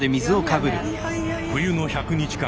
冬の１００日間